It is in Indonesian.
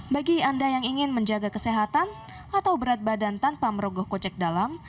bagi anda yang ingin menjaga kesehatan atau berat badan tanpa merogoh kocek dalam